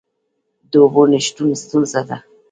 د اوبو نشتون ستونزه ده؟